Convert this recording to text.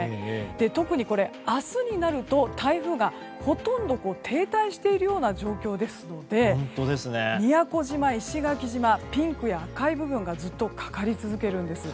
特に明日になると台風がほとんど停滞しているような状況ですので宮古島、石垣島ピンクや赤い部分がずっとかかり続けるんです。